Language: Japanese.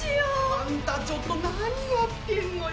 あんたちょっと何やってんのよ！